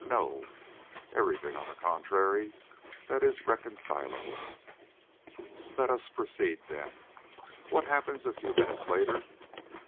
No. Every thing, on the contrary, that is reconcilable. Let us proceed then. What happens a few minutes later?